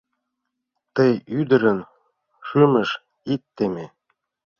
Тый ӱдырын шӱмыш ит теме